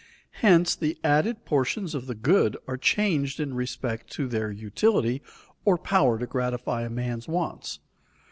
Hence, the added portions of the good are changed in respect to their utility or power to gratify a man's wants.